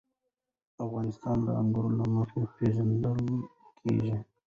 افغانستان د انګور له مخې پېژندل کېږي.